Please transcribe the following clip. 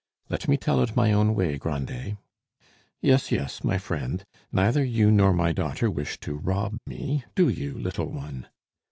"Let me tell it my own way, Grandet." "Yes, yes, my friend. Neither you nor my daughter wish to rob me, do you, little one?"